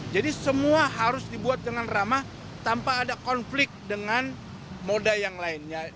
jadi semua harus dibuat dengan ramah tanpa ada konflik dengan moda yang lainnya